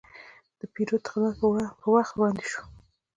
د پیرود خدمت په وخت وړاندې شو.